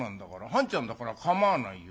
半ちゃんだから構わないよ。